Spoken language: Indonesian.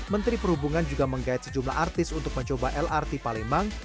menteri perhubungan juga menggait sejumlah artis untuk mencoba lrt palembang